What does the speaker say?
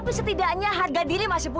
berarti kalau nara gitu